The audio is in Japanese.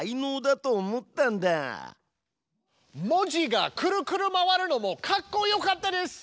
文字がくるくる回るのもかっこよかったです！